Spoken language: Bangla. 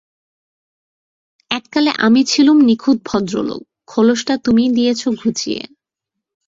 এককালে আমি ছিলুম নিখুঁত ভদ্রলোক, খোলসটা তুমিই দিয়েছ ঘুচিয়ে।